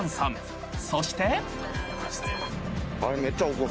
［そして］